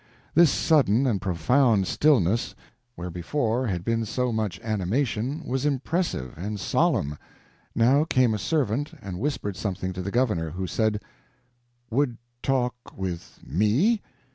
This sudden and profound stillness, where before had been so much animation, was impressive and solemn. Now came a servant and whispered something to the governor, who said: "Would talk with me?"